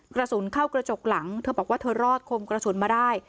กระสุนเข้ากระจกหลังเธอบอกว่าเธอรอดคมกระสุนมาได้